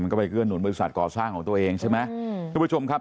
ก็ไปเกื้อหนุนบริษัทก่อสร้างของตัวเองใช่ไหมทุกผู้ชมครับ